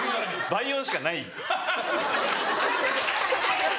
「倍音しかない」。